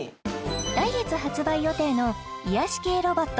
来月発売予定の癒やし系ロボット